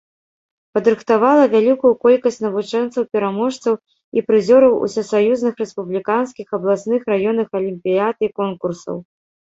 Падрыхтавала вялікую колькасць навучэнцаў-пераможцаў і прызёраў усесаюзных, рэспубліканскіх, абласных, раённых алімпіяд і конкурсаў.